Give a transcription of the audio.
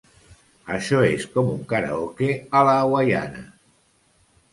Això és com un karaoke a la hawaiana.